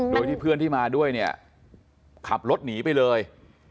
โดยที่เพื่อนที่มาด้วยเนี่ยขับรถหนีไปเลย